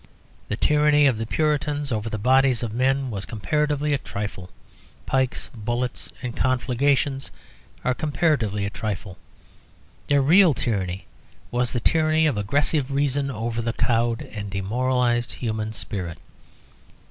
The tyranny of the Puritans over the bodies of men was comparatively a trifle; pikes, bullets, and conflagrations are comparatively a trifle. Their real tyranny was the tyranny of aggressive reason over the cowed and demoralised human spirit.